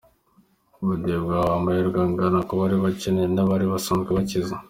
Ubudehe bwahaye amahirwe angana ku bari abakene n’abari basanzwe bakize.